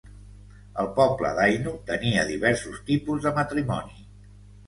El poble d'Ainu tenia diversos tipus de matrimoni.